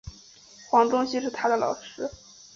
黄宗羲是他的老师。